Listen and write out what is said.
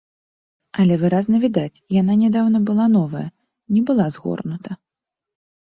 Але выразна відаць, яна нядаўна была новая, не была згорнута.